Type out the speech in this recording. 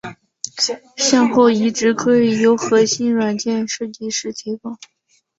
向后移植可以由核心软件设计师提供。